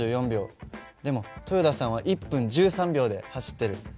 でも豊田さんは１分１３秒で走ってる。